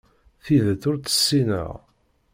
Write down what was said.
Tidet ur tt-ssineɣ.